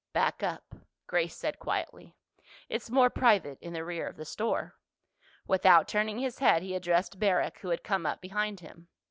"Back up," Grace said quietly. "It's more private in the rear of the store." Without turning his head he addressed Barrack, who had come up behind him.